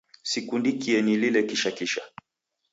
Sikundikie nilile kisha kisha